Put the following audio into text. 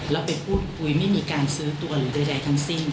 แล้วไปพูดคุยไม่มีการซื้อตัวหรือใดทั้งสิ้น